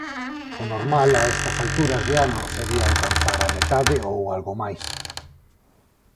O normal a estas alturas de ano sería alcanzar a metade ou algo máis.